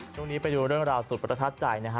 ช่วงนี้ไปดูเรื่องราวสุดประทับใจนะฮะ